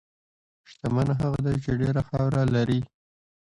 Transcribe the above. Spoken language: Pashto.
شتمن هغه دی چې ډېره خاوره لري.